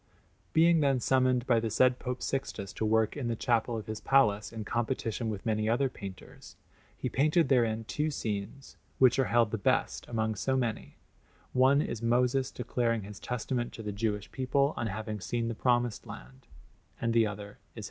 Being then summoned by the said Pope Sixtus to work in the chapel of his Palace in competition with many other painters, he painted therein two scenes, which are held the best among so many; one is Moses declaring his testament to the Jewish people on having seen the Promised Land, and the other is his death.